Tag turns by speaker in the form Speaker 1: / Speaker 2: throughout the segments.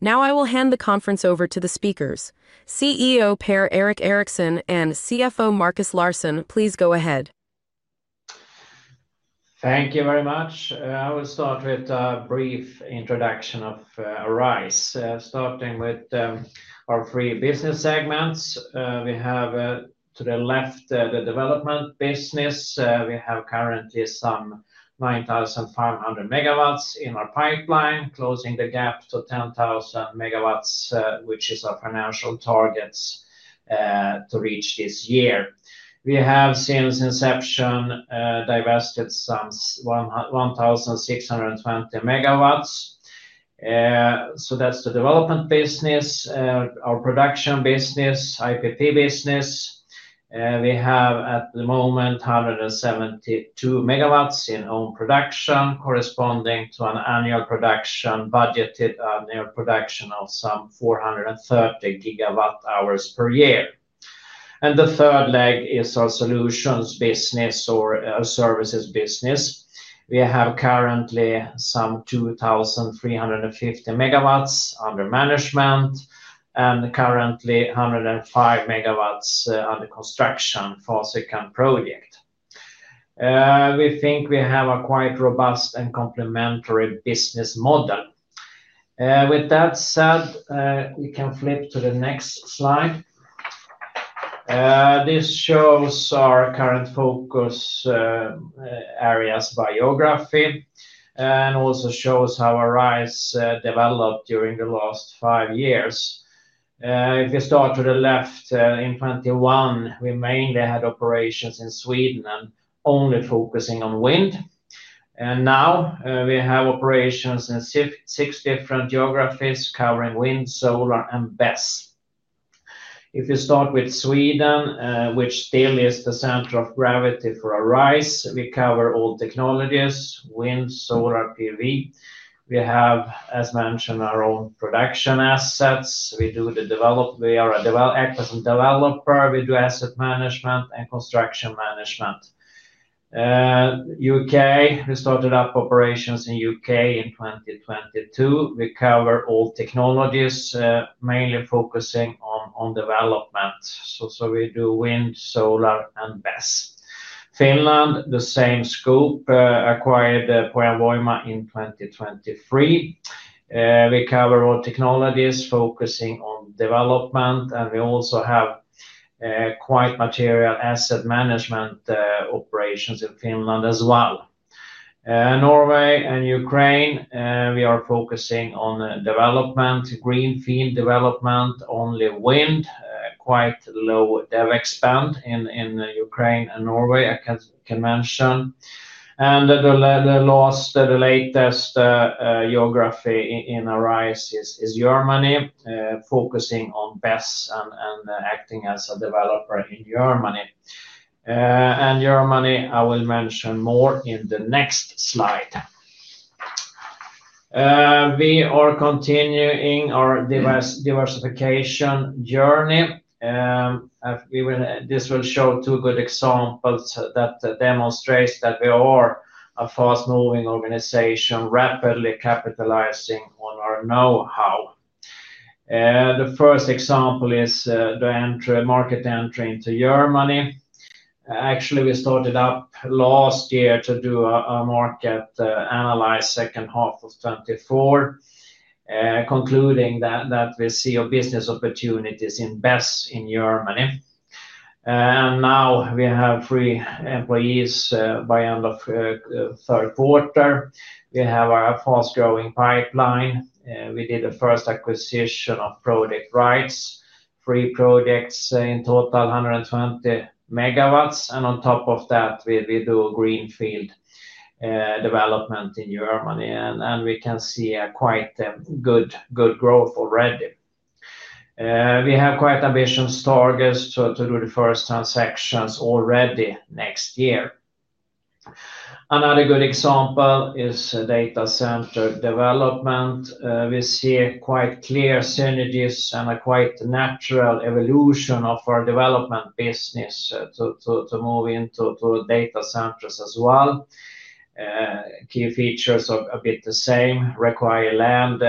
Speaker 1: Now I will hand the conference over to the speakers. CEO Per-Erik Eriksson and CFO Markus Larsson, please go ahead.
Speaker 2: Thank you very much. I will start with a brief introduction of Arise, starting with our three business segments. We have, to the left, the development business. We have currently some 9,500 MW in our pipeline, closing the gap to 10,000 MW which is our financial target to reach this year. We have, since inception, divested some 1,620 MW. So that's the development business. Our production business, IPP business. We have, at the moment, 172 MW in own production, corresponding to a budgeted annual production of some 430 GWh per year. The third leg is our solutions business or services business. We have currently some 2,350 MW under management and currently 105 MW under construction for second project. We think we have a quite robust and complementary business model. With that said, we can flip to the next slide. This shows our current focus areas, geography. It also shows how Arise developed during the last five years. If you start to the left, in 2021, we mainly had operations in Sweden and only focusing on wind. Now we have operations in six different geographies covering wind, solar, and BES. If you start with Sweden, which still is the center of gravity for Arise, we cover all technologies: wind, solar, PV. We have, as mentioned, our own production assets. We are an active developer. We do asset management and construction management. U.K., we started up operations in the U.K. in 2022. We cover all technologies, mainly focusing on development. We do wind, solar, and BES. Finland, the same scope, acquired Point Voima in 2023. We cover all technologies, focusing on development. We also have quite material asset management operations in Finland as well. Norway and Ukraine, we are focusing on development, greenfield development, only wind, quite low dev expand in Ukraine and Norway, I can mention. The latest geography in Arise is Germany, focusing on BES and acting as a developer in Germany. Germany, I will mention more in the next slide. We are continuing our diversification journey. This will show two good examples that demonstrate that we are a fast-moving organization, rapidly capitalizing on our know-how. The first example is the market entry into Germany. Actually, we started up last year to do a market analysis second half of 2024, concluding that we see business opportunities in BES in Germany. Now we have three employees by end of third quarter. We have a fast-growing pipeline. We did the first acquisition of project rights, three projects in total, 120 MW. On top of that, we do greenfield. Development in Germany. We can see quite good growth already. We have quite ambitious targets to do the first transactions already next year. Another good example is data center development. We see quite clear synergies and a quite natural evolution of our development business to move into data centers as well. Key features are a bit the same. Require land,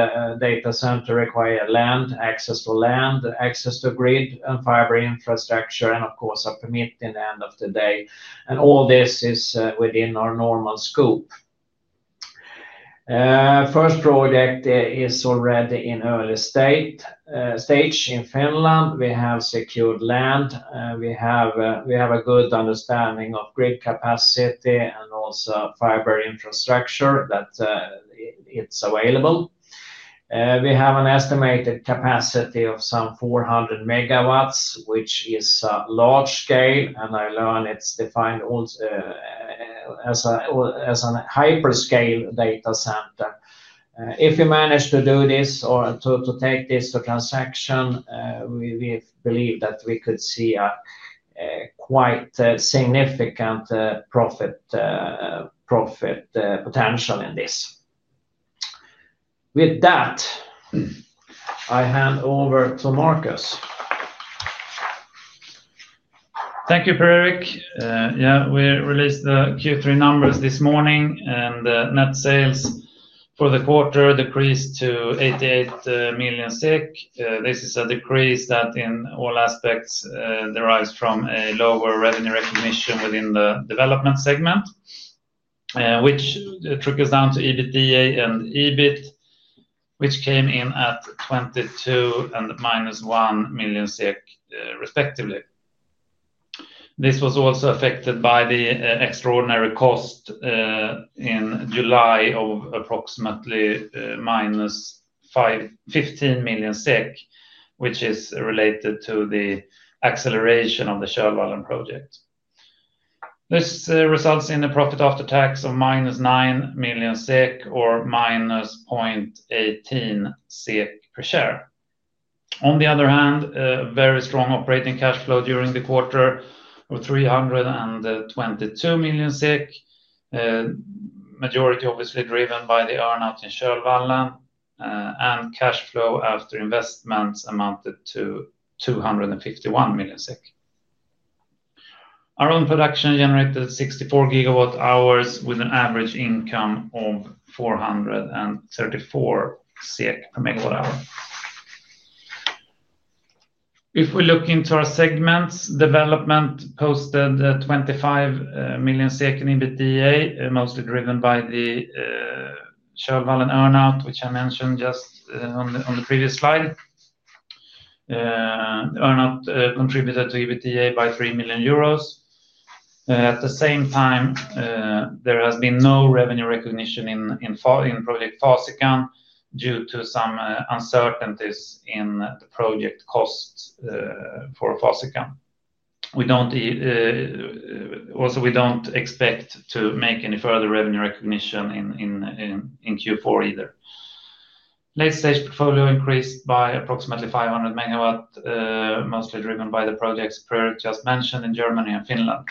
Speaker 2: data center require land, access to land, access to grid and fiber infrastructure, and of course, a permit in the end of the day. All this is within our normal scope. First project is already in early stage. In Finland, we have secured land. We have a good understanding of grid capacity and also fiber infrastructure that is available. We have an estimated capacity of some 400 MW, which is a large scale. I learned it is defined as a hyperscale data center. If we manage to do this or to take this to transaction, we believe that we could see quite significant profit potential in this. With that, I hand over to Markus.
Speaker 3: Thank you, Per-Erik. Yeah, we released the Q3 numbers this morning, and net sales for the quarter decreased to 88 million. This is a decrease that, in all aspects, derives from a lower revenue recognition within the Development segment, which trickles down to EBITDA and EBIT, which came in at 22 million and -1 million SEK, respectively. This was also affected by the extraordinary cost in July of approximately -15 million, which is related to the acceleration of the ShareLion project. This results in a profit after tax of -9 million SEK or -0.18 SEK per share. On the other hand, a very strong operating cash flow during the quarter of 322 million SEK. Majority obviously driven by the earnout in ShareLion. Cash flow after investments amounted to 251 million SEK. Our own production generated 64 GWh with an average income of 434 SEK per MWh. If we look into our segments, Development posted 25 million in EBITDA, mostly driven by the ShareLion earnout, which I mentioned just on the previous slide. The earnout contributed to EBITDA by 3 million euros. At the same time, there has been no revenue recognition in project Fasicon due to some uncertainties in the project cost for Fasicon. Also, we do not expect to make any further revenue recognition in Q4 either. Late-stage portfolio increased by approximately 500 MW, mostly driven by the projects Per-Erik just mentioned in Germany and Finland.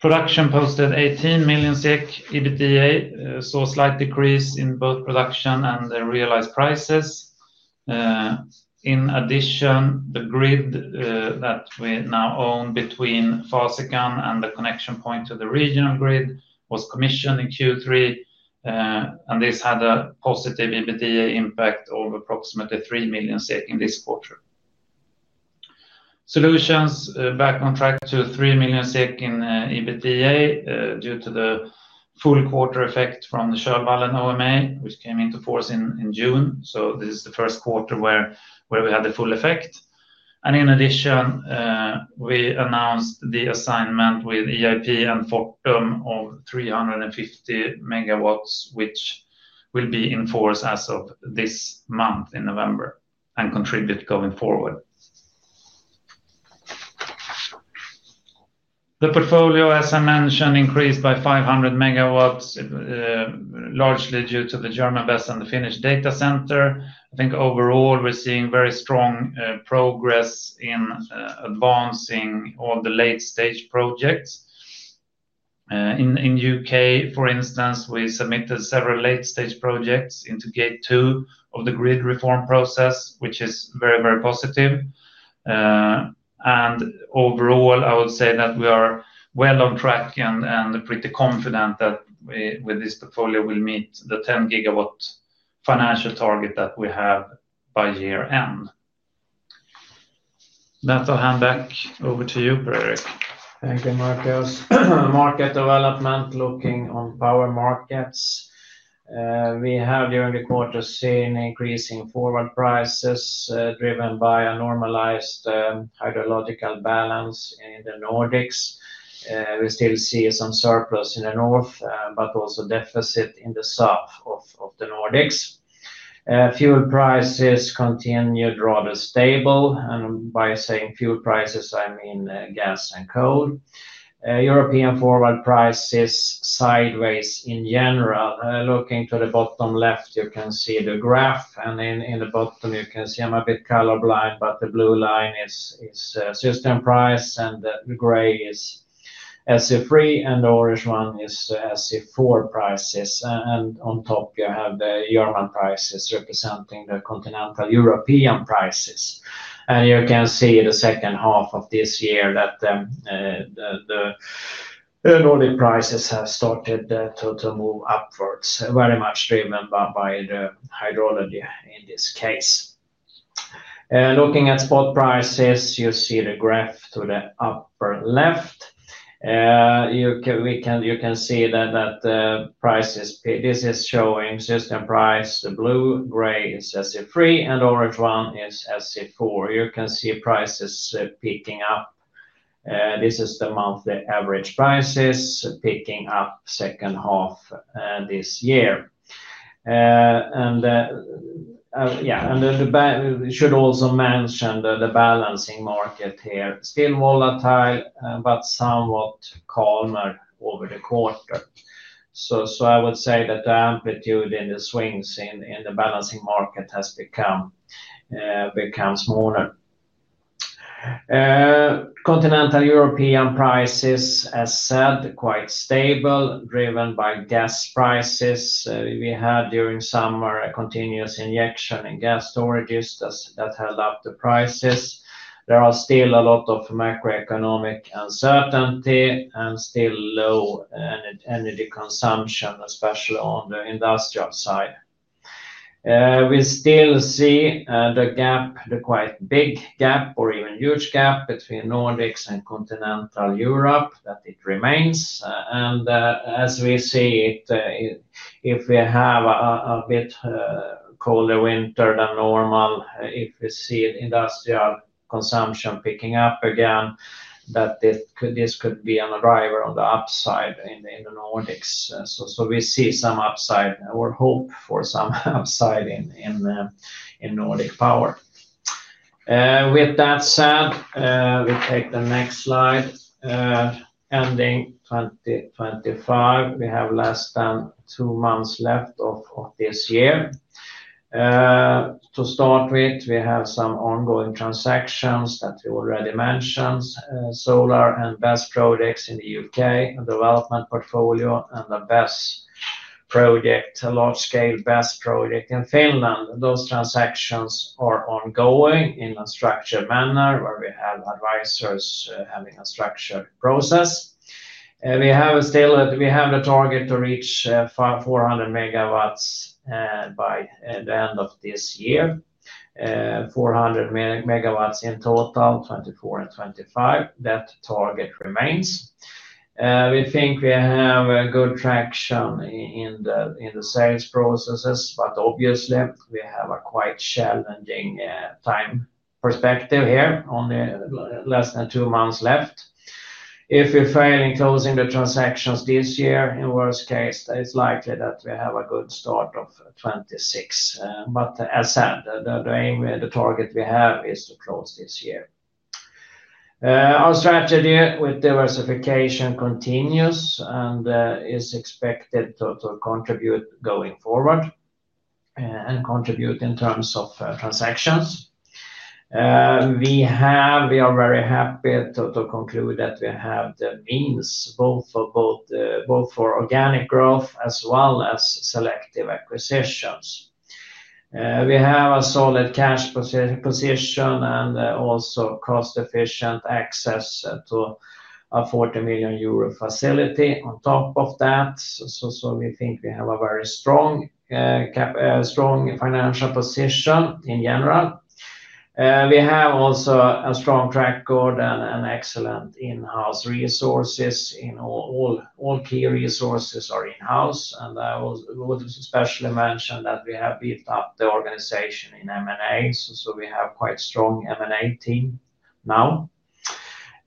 Speaker 3: Production posted 18 million SEK EBITDA, so a slight decrease in both production and the realized prices. In addition, the grid that we now own between Fasicon and the connection point to the regional grid was commissioned in Q3. This had a positive EBITDA impact of approximately 3 million SEK in this quarter. Solutions back on track to 3 million SEK in EBITDA due to the full quarter effect from the ShareLion OMA, which came into force in June. This is the first quarter where we had the full effect. In addition, we announced the assignment with EIP and Fortum of 350 MW, which will be in force as of this month in November and contribute going forward. The portfolio, as I mentioned, increased by 500 MW, largely due to the German BES and the Finnish data center. I think overall, we are seeing very strong progress in advancing all the late-stage projects. In the U.K., for instance, we submitted several late-stage projects into Gate 2 of the grid reform process, which is very, very positive. Overall, I would say that we are well on track and pretty confident that with this portfolio, we'll meet the 10 gigawatt financial target that we have by year-end. That's a hand back over to you, Per-Erik.
Speaker 2: Thank you, Markus. Market development looking on power markets. We have, during the quarter, seen increasing forward prices driven by a normalized hydrological balance in the Nordics. We still see some surplus in the north, but also deficit in the south of the Nordics. Fuel prices continue to be rather stable. And by saying fuel prices, I mean gas and coal. European forward prices sideways in general. Looking to the bottom left, you can see the graph. In the bottom, you can see I'm a bit colorblind, but the blue line is system price and the gray is SE3, and the orange one is SE4 prices. On top, you have the German prices representing the continental European prices. You can see the second half of this year that the Nordic prices have started to move upwards, very much driven by the hydrology in this case. Looking at spot prices, you see the graph to the upper left. You can see that prices, this is showing system price, the blue, gray is SE3, and the orange one is SE4. You can see prices picking up. This is the monthly average prices picking up second half this year. Yeah, and we should also mention the balancing market here, still volatile, but somewhat calmer over the quarter. I would say that the amplitude in the swings in the balancing market has become smaller. Continental European prices, as said, quite stable, driven by gas prices. We had, during summer, a continuous injection in gas storages that held up the prices. There are still a lot of macroeconomic uncertainty and still low energy consumption, especially on the industrial side. We still see the gap, the quite big gap or even huge gap between Nordics and continental Europe, that it remains. As we see it, if we have a bit colder winter than normal, if we see industrial consumption picking up again, this could be an arrival on the upside in the Nordics. We see some upside or hope for some upside in Nordic power. With that said, we take the next slide. Ending 2025, we have less than two months left of this year. To start with, we have some ongoing transactions that we already mentioned: solar and BES projects in the U.K., a development portfolio, and a BES project, a large-scale BES project in Finland. Those transactions are ongoing in a structured manner where we have advisors having a structured process. We have a target to reach 400 MW by the end of this year. 400 MW in total, 2024 and 2025. That target remains. We think we have good traction in the sales processes, but obviously, we have a quite challenging time perspective here, only less than two months left. If we fail in closing the transactions this year, in worst case, it is likely that we have a good start of 2026. As said, the target we have is to close this year. Our strategy with diversification continues and is expected to contribute going forward. Contribute in terms of transactions. We are very happy to conclude that we have the means both for organic growth as well as selective acquisitions. We have a solid cash position and also cost-efficient access to an 40 million euro facility on top of that. We think we have a very strong financial position in general. We have also a strong track record and excellent in-house resources. All key resources are in-house. I would especially mention that we have built up the organization in M&A. We have quite a strong M&A team now.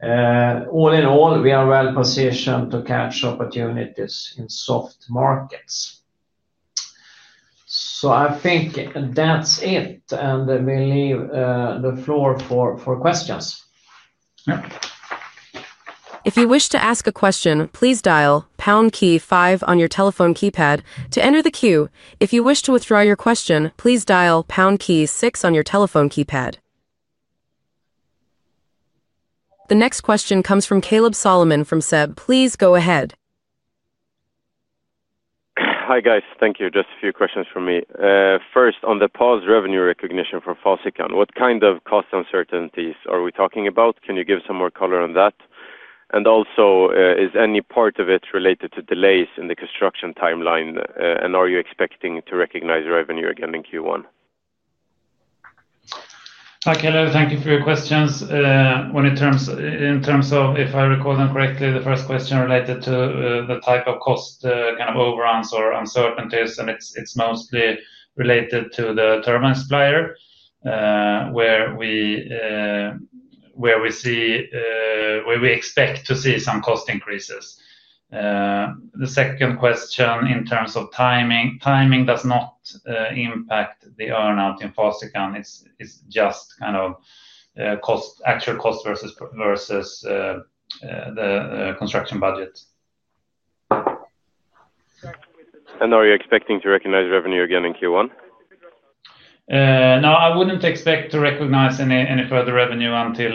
Speaker 2: All in all, we are well positioned to catch opportunities in soft markets. I think that's it. We leave the floor for questions.
Speaker 1: If you wish to ask a question, please dial pound key five on your telephone keypad to enter the queue. If you wish to withdraw your question, please dial pound key six on your telephone keypad. The next question comes from Kaleb Solomon from SEB. Please go ahead.
Speaker 4: Hi guys, thank you. Just a few questions from me. First, on the paused revenue recognition from Fasicon, what kind of cost uncertainties are we talking about? Can you give some more color on that? Also, is any part of it related to delays in the construction timeline? Are you expecting to recognize revenue again in Q1?
Speaker 3: Thank you, Kaleb. Thank you for your questions. In terms of if I recall them correctly, the first question related to the type of cost kind of overruns or uncertainties, and it's mostly related to the turbine supplier. Where we expect to see some cost increases. The second question, in terms of timing, timing does not impact the earnout in Fasicon. It's just kind of actual cost versus the construction budget.
Speaker 4: Are you expecting to recognize revenue again in Q1?
Speaker 3: No, I wouldn't expect to recognize any further revenue until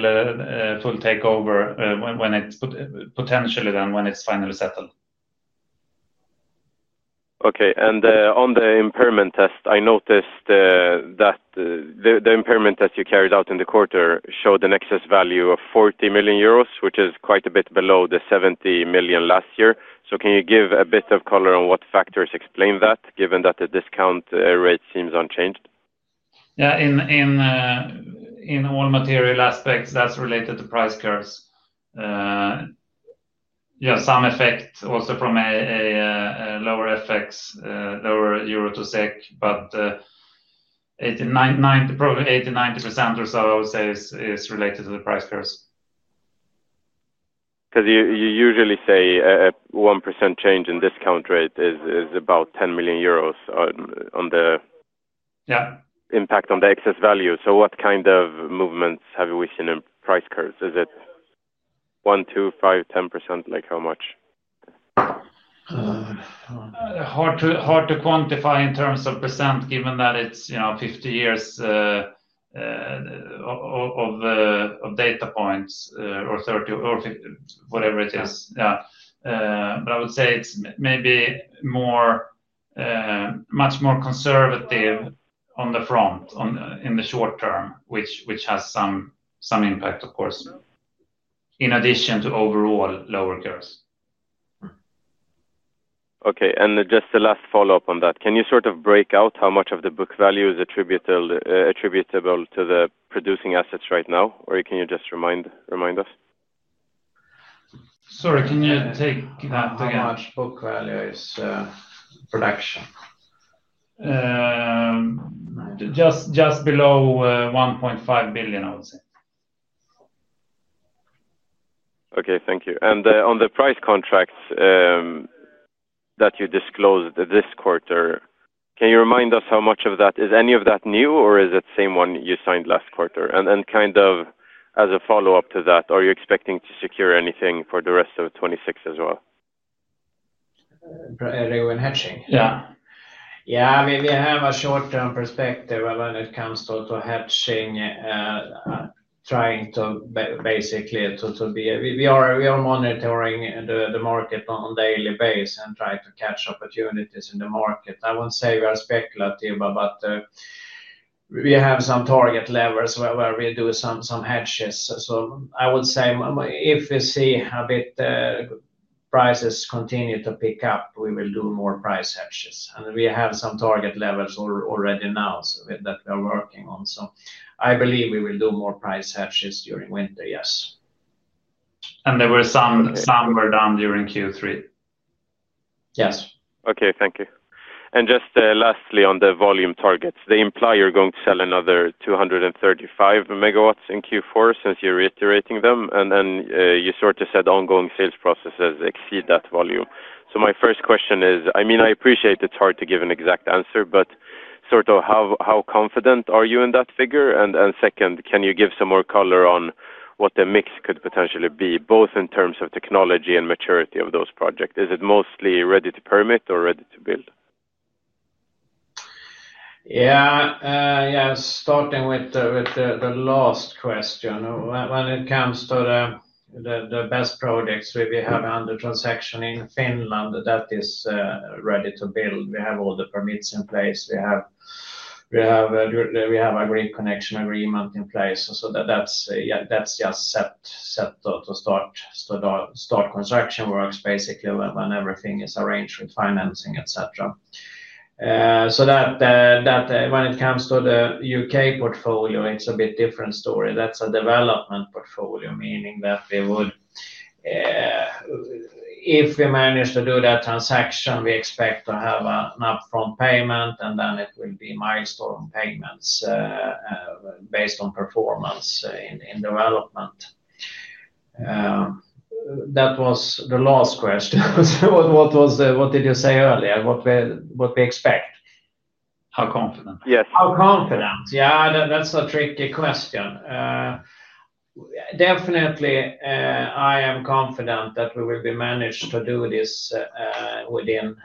Speaker 3: full takeover when it's potentially done when it's finally settled.
Speaker 4: Okay. On the impairment test, I noticed that the impairment test you carried out in the quarter showed an excess value of 40 million euros, which is quite a bit below the 70 million last year. Can you give a bit of color on what factors explain that, given that the discount rate seems unchanged?
Speaker 3: Yeah. In all material aspects, that's related to price curves. You have some effect also from a lower FX, lower euro to SEK, but 80% or so, I would say, is related to the price curves.
Speaker 4: Because you usually say a 1% change in discount rate is about 10 million euros on the impact on the excess value. What kind of movements have you seen in price curves? Is it 1%, 2%, 5%, 10%? Like how much?
Speaker 3: Hard to quantify in terms of %, given that it's 50 years of data points or 30 or whatever it is. Yeah. But I would say it's maybe much more conservative on the front in the short term, which has some impact, of course. In addition to overall lower curves.
Speaker 4: Okay. Just the last follow-up on that. Can you sort of break out how much of the book value is attributable to the producing assets right now? Or can you just remind us?
Speaker 3: Sorry, can you take that again?
Speaker 4: How much book value is Production?
Speaker 2: Just below 1.5 billion, I would say.
Speaker 4: Okay. Thank you. On the price contracts that you disclosed this quarter, can you remind us how much of that is any of that new, or is it the same one you signed last quarter? Kind of as a follow-up to that, are you expecting to secure anything for the rest of 2026 as well?
Speaker 2: Yeah. I mean, we have a short-term perspective when it comes to hedging. Trying to basically to be, we are monitoring the market on a daily base and trying to catch opportunities in the market. I won't say we are speculative, but we have some target levels where we do some hedges. I would say if we see a bit, prices continue to pick up, we will do more price hedges. We have some target levels already now that we are working on. I believe we will do more price hedges during winter, yes. There were some were done during Q3, yes.
Speaker 4: Okay. Thank you. And just lastly, on the volume targets, they imply you're going to sell another 235 MW in Q4 since you're reiterating them. And you sort of said ongoing sales processes exceed that volume. My first question is, I mean, I appreciate it's hard to give an exact answer, but sort of how confident are you in that figure? Second, can you give some more color on what the mix could potentially be, both in terms of technology and maturity of those projects? Is it mostly ready to permit or ready to build?
Speaker 2: Yeah. Yeah. Starting with the last question, when it comes to the BES projects we have under transaction in Finland that is ready to build, we have all the permits in place. We have a grid connection agreement in place. So that is just set to start construction works, basically, when everything is arranged with financing, etc. When it comes to the U.K. portfolio, it is a bit different story. That is a development portfolio, meaning that we would, if we manage to do that transaction, expect to have an upfront payment, and then it will be milestone payments based on performance in development.
Speaker 4: That was the last question.
Speaker 2: What did you say earlier? What we expect?
Speaker 4: How confident?
Speaker 5: How confident? Yeah. That's a tricky question. Definitely, I am confident that we will be managed to do this within,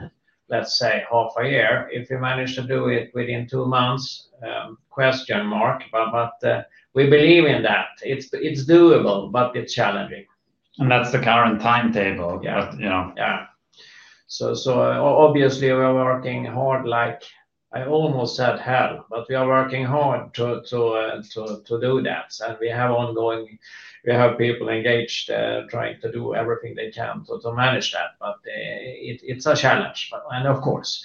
Speaker 5: let's say, half a year. If we manage to do it within two months. But we believe in that. It's doable, but it's challenging.
Speaker 3: That's the current timetable.
Speaker 2: Yeah. Obviously, we are working hard. I almost said hell, but we are working hard to do that. We have ongoing, we have people engaged trying to do everything they can to manage that. It's a challenge. Of course,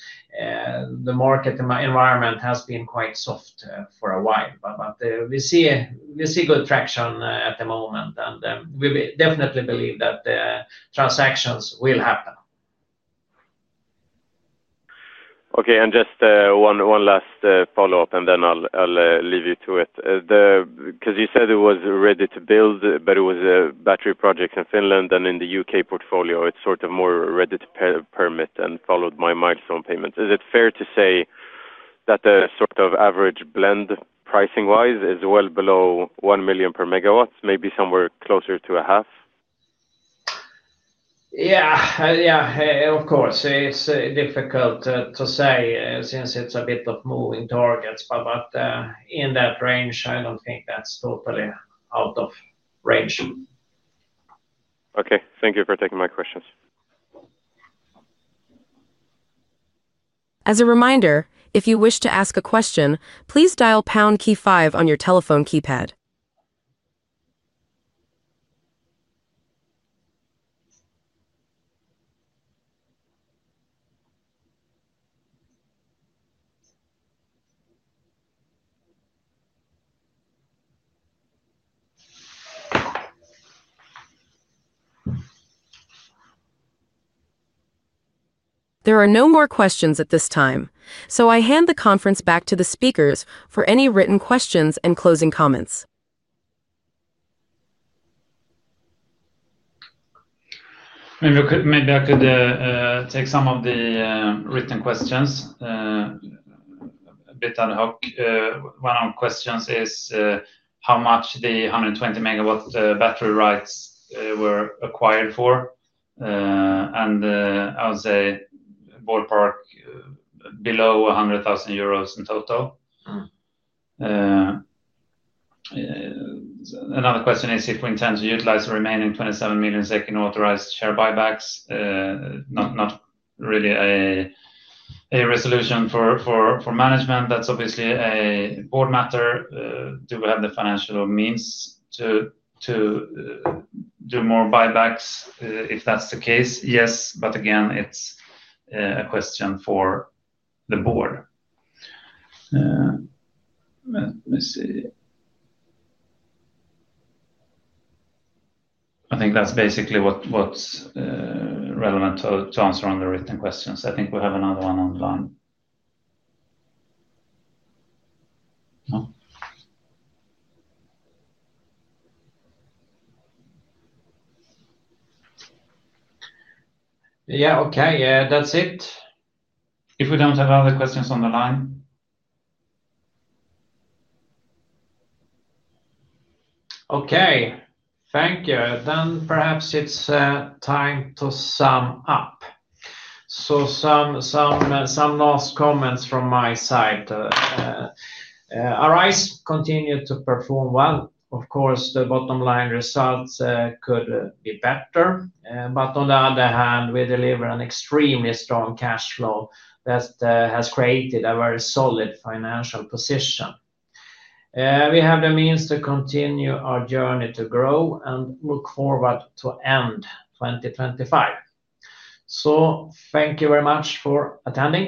Speaker 2: the market environment has been quite soft for a while. We see good traction at the moment. We definitely believe that transactions will happen.
Speaker 4: Okay. Just one last follow-up, and then I'll leave you to it. Because you said it was ready to build, but it was battery projects in Finland and in the U.K. portfolio. It's sort of more ready to permit and followed my milestone payments. Is it fair to say that the sort of average blend pricing-wise is well below 1 million per MW, maybe somewhere closer to EUR 500,000?
Speaker 2: Yeah. Yeah. Of course. It's difficult to say since it's a bit of moving targets. But in that range, I don't think that's totally out of range.
Speaker 4: Okay. Thank you for taking my questions.
Speaker 1: As a reminder, if you wish to ask a question, please dial pound key five on your telephone keypad. There are no more questions at this time. I hand the conference back to the speakers for any written questions and closing comments.
Speaker 3: Maybe I could take some of the written questions. A bit ad hoc. One of the questions is how much the 120 MW battery rights were acquired for. And I would say ballpark. Below 100,000 euros in total. Another question is if we intend to utilize the remaining 27 million second authorized share buybacks. Not really a resolution for management. That's obviously a board matter. Do we have the financial means to do more buybacks? If that's the case, yes. But again, it's a question for the board. Let me see. I think that's basically what's relevant to answer on the written questions. I think we have another one online. Yeah. Okay. That's it. If we don't have other questions on the line.
Speaker 2: Okay. Thank you. Then perhaps it's time to sum up. Some last comments from my side. Arise continued to perform well. Of course, the bottom line results could be better. On the other hand, we deliver an extremely strong cash flow that has created a very solid financial position. We have the means to continue our journey to grow and look forward to end 2025. Thank you very much for attending.